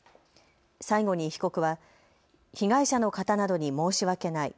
最後に被告は被害者の方などに申し訳ない。